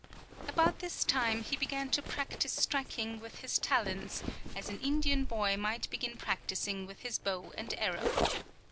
About this time he began to practice striking with his talons, as an Indian boy might begin practicing with his bow and arrow.